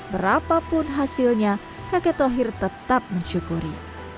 berapapun hasilnya kakek thohir tetap menyukuri